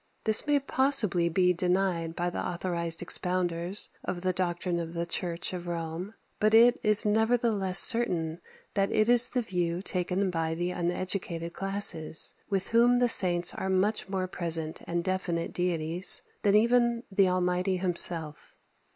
This may possibly be denied by the authorized expounders of the doctrine of the Church of Rome; but it is nevertheless certain that it is the view taken by the uneducated classes, with whom the saints are much more present and definite deities than even the Almighty Himself.